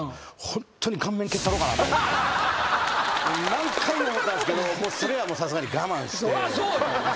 何回も思ったんですけどそれはさすがに我慢して。